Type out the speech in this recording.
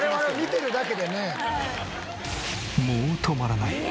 もう止まらない。